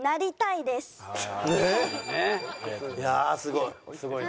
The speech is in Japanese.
いやあすごい。